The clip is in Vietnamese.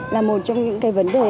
là một trong những cái vấn đề